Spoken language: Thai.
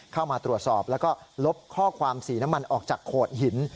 เข้ามาตรวจสอบแล้วก็ลบข้อความสีน้ำมันออกจากโขดหิน